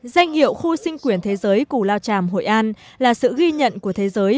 danh hiệu khu sinh quyển thế giới cù lao chảm hội an là sự ghi nhận của thế giới